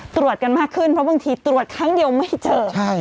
ตรวจกันมากขึ้นเพราะบางทีตรวจครั้งเดียวไม่เจอ